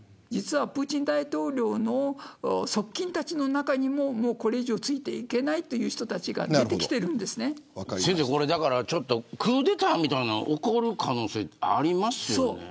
実は、プーチン大統領の側近たちの中にももうこれ以上ついていけないという人たちが先生、これだからちょっとクーデターみたいなん起こる可能性ありますよね。